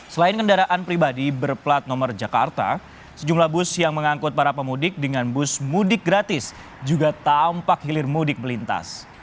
selain kendaraan pribadi berplat nomor jakarta sejumlah bus yang mengangkut para pemudik dengan bus mudik gratis juga tampak hilir mudik melintas